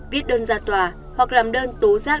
viết đơn ra tòa hoặc làm đơn tố rác